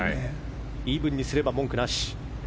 イーブンにすれば文句なし。